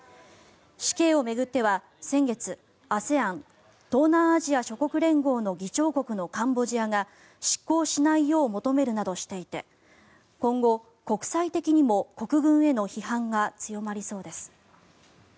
死刑を巡っては先月ＡＳＥＡＮ・東南アジア諸国連合の議長国のカンボジアが執行しないよう求めるなどしていて今後、国際的にも国軍への批判が強まりそうです。